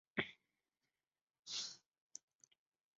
鸭跖草状凤仙花为凤仙花科凤仙花属下的一个种。